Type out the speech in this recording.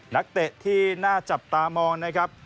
นักเตะที่น่าจับตามองนะครับ